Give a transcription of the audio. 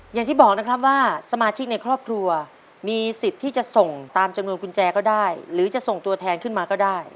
อย่างที่บอกนะครับว่าสมาชิกในครอบครัวมีสิทธิ์ที่จะส่งตามจำนวนกุญแจก็ได้หรือจะส่งตัวแทนขึ้นมาก็ได้